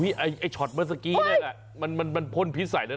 เอ้ยไอ้ไอค์ชอตเมื่อสักครู่มันพลพิษใส่แลนะ